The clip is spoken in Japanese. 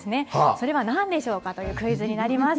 それはなんでしょうかというクイズになります。